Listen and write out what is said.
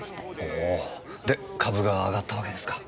ほぉで株が上がったわけですか？